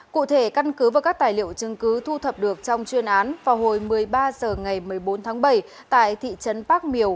cụ thể căn cứ và các tài liệu chứng cứ thu thập được trong chuyên án vào hồi một mươi ba h ngày một mươi bốn tháng bảy tại thị trấn bác miều